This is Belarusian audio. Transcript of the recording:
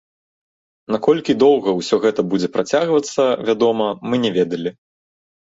Наколькі доўга ўсё гэта будзе працягвацца, вядома, мы не ведалі.